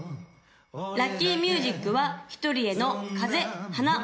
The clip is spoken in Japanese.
・ラッキーミュージックはヒトリエの「風、花」